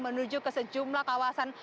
menuju ke sejumlah kawasan